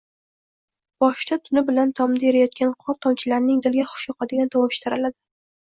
Boshda tuni bilan tomda eriyotgan qor tomchilarining dilga xush yoqadigan tovushi taraladi.